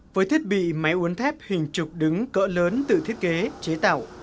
với thiết bị máy uốn thép hình trục đứng cỡ lớn tự thiết kế chế tạo